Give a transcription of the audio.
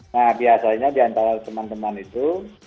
nah biasanya di antara teman teman itu